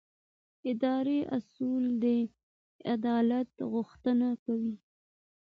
اداري اصول د عدالت غوښتنه کوي.